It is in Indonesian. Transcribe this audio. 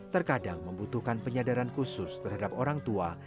terkadang membutuhkan penyadaran khusus terhadap orang tua